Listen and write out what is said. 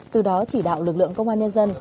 từ đó chỉ đạo lực lượng công an nhân dân